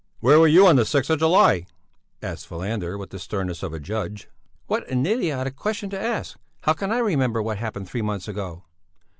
"Where were you on the sixth of July?" asked Falander, with the sternness of a judge. "What an idiotic question to ask! How can I remember what happened three months ago?"